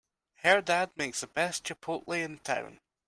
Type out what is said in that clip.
Her dad makes the best chipotle in town!